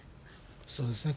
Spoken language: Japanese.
そうですね。